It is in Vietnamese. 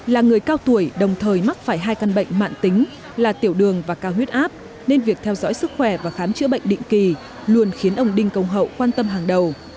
là người cao tuổi đồng thời mắc phải hai căn bệnh mạng tính là tiểu đường và cao huyết áp nên việc theo dõi sức khỏe và khám chữa bệnh định kỳ luôn khiến ông đinh công hậu quan tâm hàng đầu